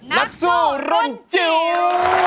นักสู้รุ่นจิ๋ว